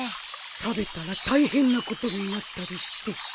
食べたら大変なことになったりして。